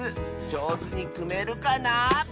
じょうずにくめるかな？